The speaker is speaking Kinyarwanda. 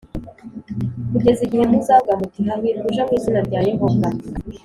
kugeza igihe muzavuga muti hahirwa uje mu izina rya Yehova